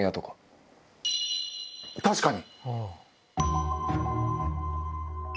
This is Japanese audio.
確かに！